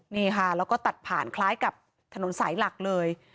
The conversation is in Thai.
นี่ค่ะแล้วก็ตัดผ่านคล้ายกับถนนสายหลักเลย